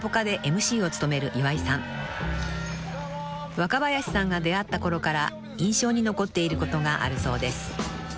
［若林さんが出会ったころから印象に残っていることがあるそうです］